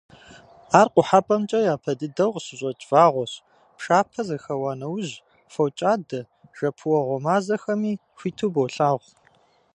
Ар Къухьэпӏэмкӏэ япэ дыдэу къыщыщӏэкӏ вагъуэщ, пшапэ зэхэуа нэужь, фокӏадэ-жэпуэгъуэ мазэхэми хуиту болъагъу.